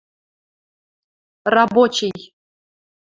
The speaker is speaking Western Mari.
– Рабочий.